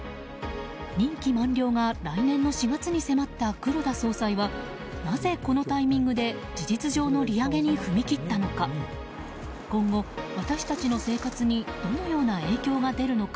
任期満了が来年の４月に迫った黒田総裁はなぜこのタイミングで事実上の利上げに踏み切ったのか。